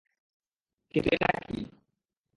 কিন্তু এটা কি?